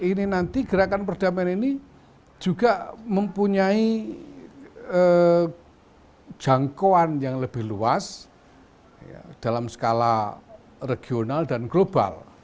ini nanti gerakan perdamaian ini juga mempunyai jangkauan yang lebih luas dalam skala regional dan global